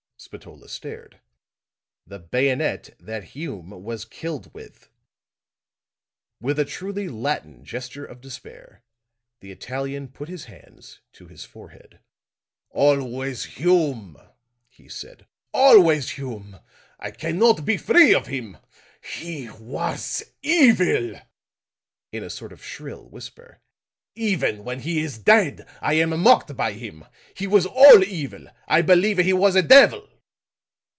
Spatola stared. "The bayonet that Hume was killed with." With a truly Latin gesture of despair, the Italian put his hands to his forehead. "Always Hume," he said. "Always Hume! I can not be free of him. He was evil!" in a sort of shrill whisper. "Even when he is dead, I am mocked by him. He was all evil! I believe he was a devil!"